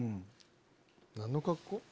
何の格好？